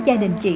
gia đình chị